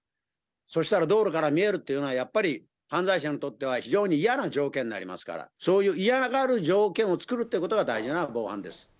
そしたら道路から見えるっていうのは、やっぱり犯罪者にとっては非常に嫌な条件になりますから、そういう嫌がる条件を作るということが大事な防犯です。